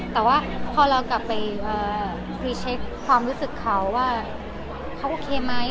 แต่ว่าพอเรากลับไปพรีเช็คความรู้สึกเขาว่าเขาโอเคไหม